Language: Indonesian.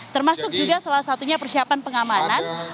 termasuk juga salah satunya persiapan pengamanan